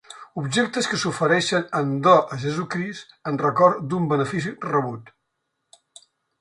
Objectes que s'ofereixen en do a Jesucrist en record d'un benefici rebut.